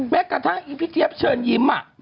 แม้กระทั่งอีพี่เจี๊ยบเชิญยิ้ม